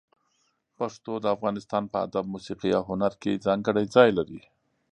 پښتو د افغانستان په ادب، موسيقي او هنر کې ځانګړی ځای لري.